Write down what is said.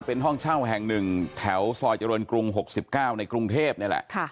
เป็นห้องเช่าแห่ง๑แถวซอยเจริญกรุง๖๙ในกรุงเทพนี่แหละ